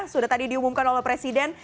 sudah tadi diumumkan oleh presiden